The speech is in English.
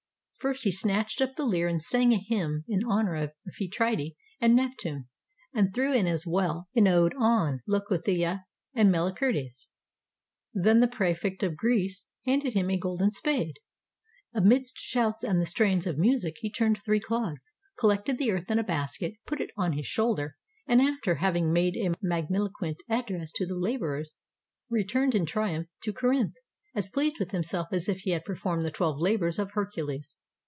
First he snatched up the lyre and sang a hymn in honor of Amphitrite and Neptune, and threw in as well an ode on Leucothea and Mehcertes. Then the praefect of Greece handed him a golden spade. Amidst shouts and the strains of music he turned three clods, collected the earth in a basket, put it on his shoulder, and after having made a magniloquent address to the laborers, returned in triumph to Corinth, as pleased with himself as if he had performed the twelve labors of Hercules.